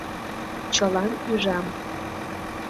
Чылам ӱжам.